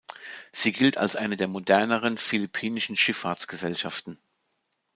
Sie gilt als eine der moderneren, philippinischen Schifffahrtsgesellschaften.